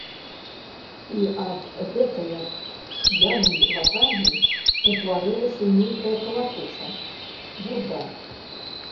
І ад гэтае п'янай ватагі ўтварылася нейкая калатуша, бурда.